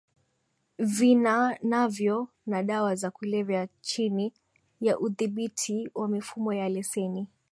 vifananavyo na dawa za kulevya chini ya udhibiti wa mifumo ya leseni